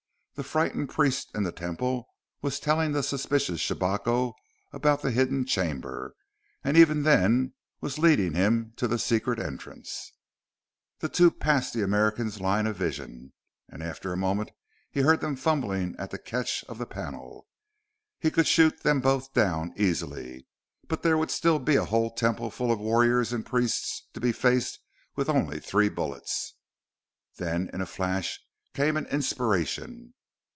The frightened priest in the Temple was telling the suspicious Shabako about the hidden chamber and even then was leading him to the secret entrance! The two passed the American's line of vision, and after a moment he heard them fumbling at the catch of the panel. He could shoot them both down, easily, but there would still be a whole Temple full of warriors and priests to be faced with only three bullets! Then, in a flash, came an inspiration.